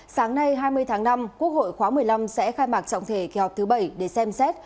sáng nay hai mươi tháng năm quốc hội khóa một mươi năm sẽ khai mạc trọng thể kỳ họp thứ bảy để xem xét